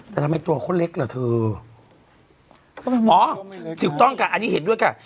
แต่ทำไมตัวเขาเล็กเหรอเธออ๋อถูกต้องค่ะอันนี้เห็นด้วยค่ะ